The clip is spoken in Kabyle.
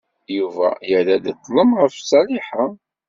Yuba yerra-d ṭlem ɣef Ṣaliḥa.